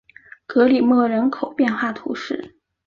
格里莫人口变化图示